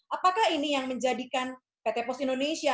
apakah ini yang menjadikan pt pos indonesia